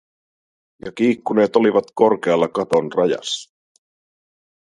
Ja kiikkuneet olivat korkealla katon rajassa.